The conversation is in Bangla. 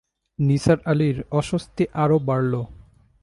নিসার আলির অস্বস্তি আরো বাড়ল।